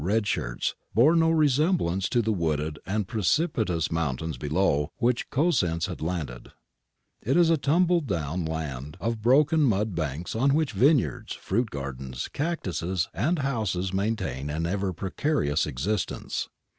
134 GARIBALDI AND THE MAKING OF ITALY cupied by the red shirts bore no resemblance to the wooded and precipitous mountains below which Cosenz had landed. It is a tumble down land of broken mud banks on which vineyards, fruit gardens, cactuses, and houses maintain an ever precarious existence.